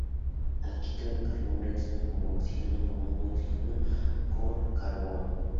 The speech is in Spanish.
Aquí, todo el carbono reacciona con oxígeno formando dióxido de carbono.